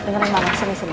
dengarin mama sini sini